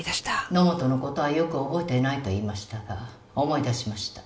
「野本の事はよく覚えていないと言いましたが思い出しました」